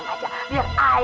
biar aku yang urusin